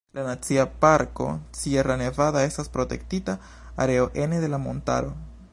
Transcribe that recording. La Nacia Parko Sierra Nevada estas protektita areo ene de la montaro.